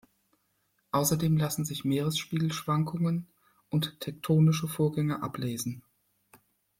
Außerdem lassen sich Meeresspiegelschwankungen und tektonische Vorgänge ablesen.